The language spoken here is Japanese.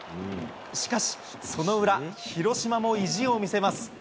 しかし、その裏、広島も意地を見せます。